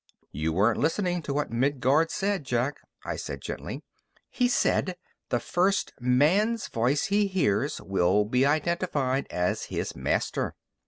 "You weren't listening to what Midguard said, Jack," I said gently. "He said: 'The first man's voice he hears will be identified as his master.'"